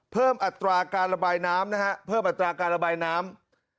อัตราการระบายน้ำนะฮะเพิ่มอัตราการระบายน้ำ